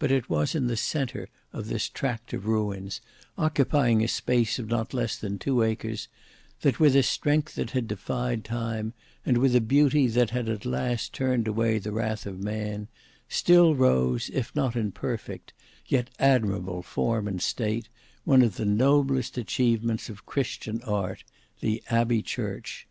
But it was in the centre of this tract of ruins, occupying a space of not less than two acres, that, with a strength that had defied time, and with a beauty that had at last turned away the wrath of man, still rose if not in perfect, yet admirable, form and state, one of the noblest achievements of Christian art,—the Abbey church.